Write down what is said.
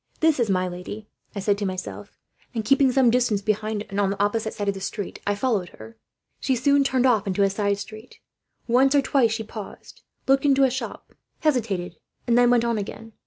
"'This is my lady,' I said to myself and, keeping some distance behind and on the opposite side of the road, I followed her. "She soon turned off into a side street. Once or twice she paused, looked into a shop, hesitated, and then went on again.